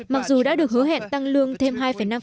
mặc dù đã được hứa hẹn tăng lương thêm hai năm